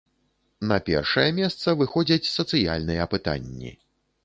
На першае месца выходзяць сацыяльныя пытанні.